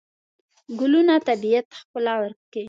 ګلونه طبیعت ښکلا کوي.